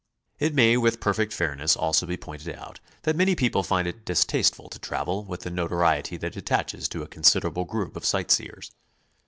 It may with perfect fair ness also be pointed out that many people find it distasteful to travel with the notoriety that attaches to a considerable group of sight seers.